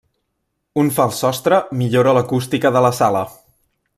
Un fals sostre millora l'acústica de la sala.